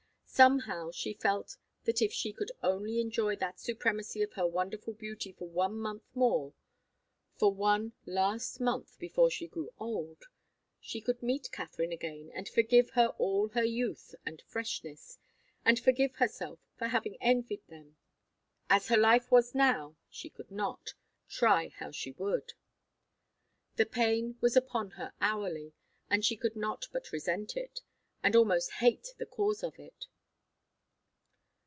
Somehow, she felt that if she could only enjoy that supremacy of her wonderful beauty for one month more for one last month, before she grew old she could meet Katharine again, and forgive her all her youth and freshness, and forgive herself for having envied them. As her life was now, she could not, try how she would. The pain was upon her hourly, and she could not but resent it, and almost hate the cause of it.